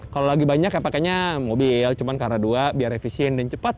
kalau lagi banyak ya pakainya mobil cuma karena dua biar efisien dan cepat